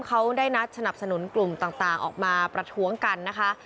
เขาได้นัดสนับสนุนกลุ่มต่างออกมาประท้วงกันนะคะ